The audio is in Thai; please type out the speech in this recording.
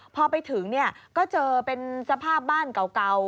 พอไปถึงก็เจอเป็นสภาพบ้านเก่า